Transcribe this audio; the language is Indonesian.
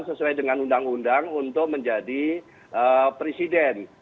sesuai dengan undang undang untuk menjadi presiden